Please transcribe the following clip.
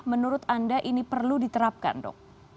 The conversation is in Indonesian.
menurut anda ini perlu diterapkan dok